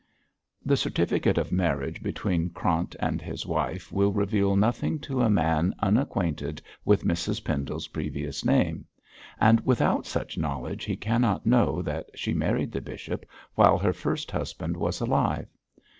'The certificate of marriage between Krant and his wife will reveal nothing to a man unacquainted with Mrs Pendle's previous name; and without such knowledge he cannot know that she married the bishop while her first husband was alive.